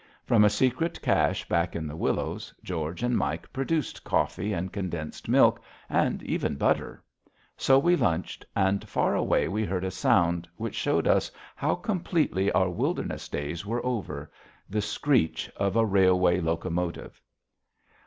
From a secret cache back in the willows, George and Mike produced coffee and condensed milk and even butter. So we lunched, and far away we heard a sound which showed us how completely our wilderness days were over the screech of a railway locomotive.